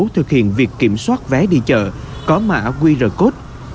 thực hiện việc kiểm soát vé đi chợ có mã qr code